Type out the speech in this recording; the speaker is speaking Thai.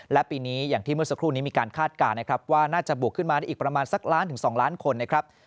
และปีนี้อย่างที่เมื่อสักครู่นี้มีการคาดการณ์นะครับว่าน่าจะบวกขึ้นมาได้อีกประมาณสักล้านถึง๒ล้านคนนะครับ